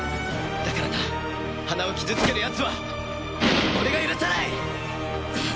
だからな花を傷つける奴は俺が許さない！